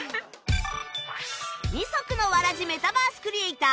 二足のわらじメタバースクリエイター